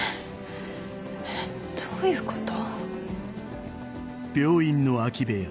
えっ？どういうこと？